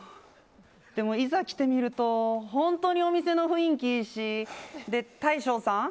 でも、いざ来てみると本当にお店の雰囲気いいし大将さん